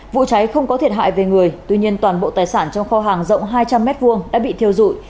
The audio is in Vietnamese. vụ cháy không có thiệt hại về người tuy nhiên toàn bộ tài sản trong kho hàng rộng hai trăm linh m hai đã bị thiêu dụi